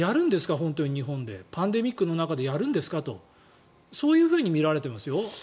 本当に日本でパンデミックの中でやるんですか？とそういうふうに見られていますよ。